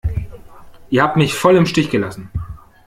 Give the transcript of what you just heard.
Ihr habt mich voll im Stich gelassen!